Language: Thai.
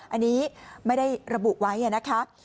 อันนี้ไม่ได้ระบุไว้นะคะ